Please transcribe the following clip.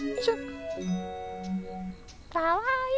かわいい！